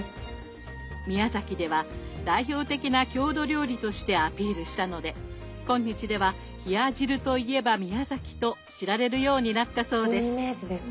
宮崎では代表的な郷土料理としてアピールしたので今日では冷や汁といえば宮崎と知られるようになったそうです。